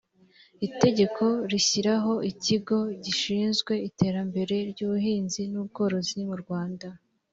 itegeko rishyiraho ikigo gishinzwe iterambere ry ubuhinzi n ubworozi mu rwanda